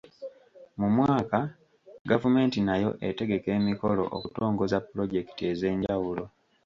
Mu mwaka, gavumenti nayo etegeka emikolo okutongoza pulojekiti ez'enjawulo.